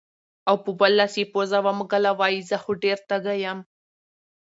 او پۀ بل لاس يې پوزه ومږله وې زۀ خو ډېر تږے يم